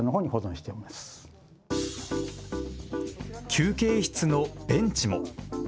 休憩室のベンチも。